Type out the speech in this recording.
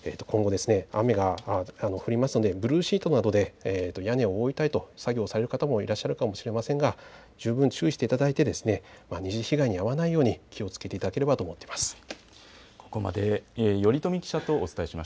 今後、雨が降りますのでブルーシートなどで屋根を覆ったりと作業をする方もいらっしゃるかもしれませんが十分注意していただいて二次被害に遭わないように気をつけていただければと思っています。